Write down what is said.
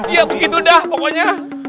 ya begitu dah pokoknya